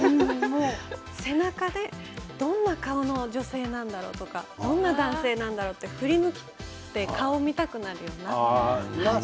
背中で、どんな顔の女性なんだろうとかどんな男性だろうと振り向いて顔を見たくなるような。